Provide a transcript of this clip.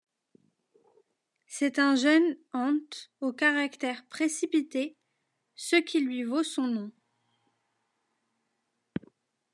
C'est un jeune Ent au caractère précipité, ce qui lui vaut son nom.